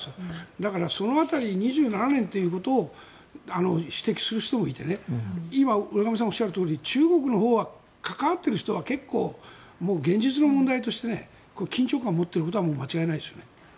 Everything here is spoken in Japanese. だから、その辺り２７年ということを指摘する人もいて今、浦上さんがおっしゃるとおり中国のほうは関わっている人は結構、現実の問題として緊張感を持っていることは間違いないですよね。